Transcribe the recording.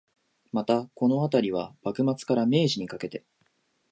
また、このあたりは、幕末から明治にかけて